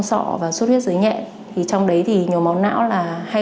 tai biến mạch máu não là gì